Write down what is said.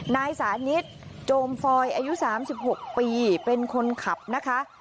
นายสานิสโจมฟอยอายุสามสิบหกปีเป็นคนขับนะคะ